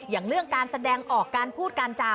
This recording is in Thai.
อย่างเรื่องการแสดงออกการพูดการจา